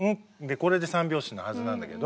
これで三拍子のはずなんだけど。